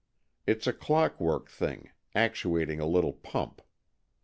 It's a clockwork thing, actuating a little pump.